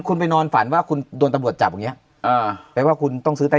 คุณไปนอนฝันว่าคุณโดนตำรวจจับอย่างเงี้แปลว่าคุณต้องซื้อใต้